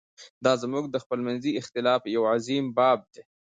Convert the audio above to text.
دا زموږ د خپلمنځي اختلاف یو عظیم باب دی.